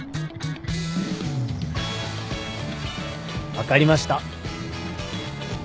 分かりました。